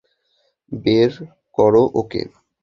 বের কোরো ওকে।